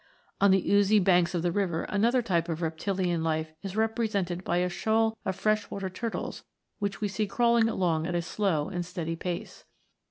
On the oozy banks of the river another type of reptilian life is represented by a shoal of fresh .'# THE AGE OF MONSTERS. 7 water Turtles which we see crawling along at a slow and steady pace.